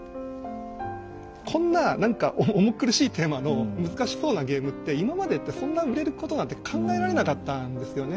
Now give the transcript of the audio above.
こんな何か重苦しいテーマの難しそうなゲームって今までってそんな売れることなんて考えられなかったんですよね。